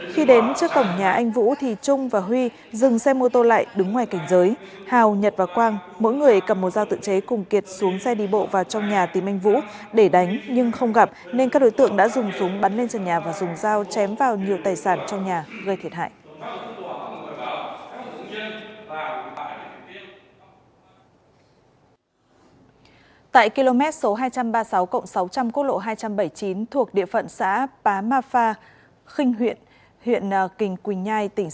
khi đến trước tổng nhà anh vũ thì trung và huy dừng xe mô tô lại đứng ngoài cảnh giới hào nhật và quang mỗi người cầm một dao tự chế cùng kiệt xuống xe đi bộ vào trong nhà tìm anh vũ để đánh nhưng không gặp nên các đối tượng đã dùng súng bắn lên trần nhà và dùng dao chém vào nhiều tài sản trong nhà gây thiệt hại